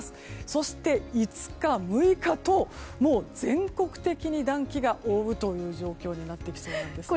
そして５日、６日と全国的に暖気が覆うという状況になってきそうなんですね。